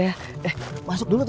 eh masuk dulu